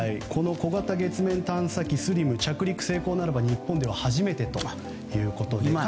小型月面探査機「ＳＬＩＭ」が着陸成功なれば日本では初めてとなります。